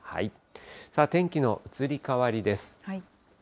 天気の移り変わりです。